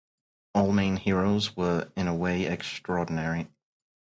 All main heroes were in a way extraordinary.